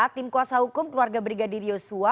tim kuasa hukum keluarga brigadir yosua